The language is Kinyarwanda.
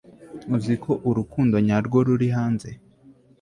Uzi ko urukundo nyarwo ruri hanze